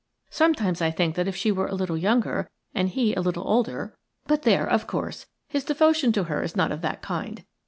Sometimes I think that if she were a little younger and he a little older – but, there, of course, his devotion to her is not of that kind.